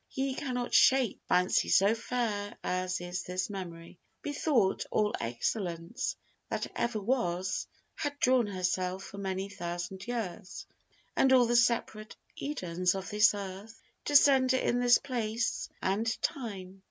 Ye cannot shape Fancy so fair as is this memory. Methought all excellence that ever was Had drawn herself from many thousand years, And all the separate Edens of this earth, To centre in this place and time.